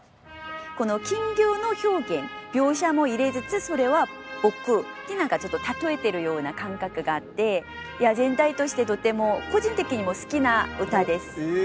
この「金魚」の表現描写も入れつつそれは「僕」に何かちょっと例えてるような感覚があって全体としてとても個人的にも好きな歌です。